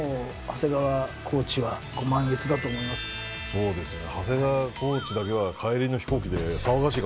そうですね。